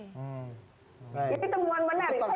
ini temuan menarik